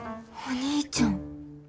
お兄ちゃん。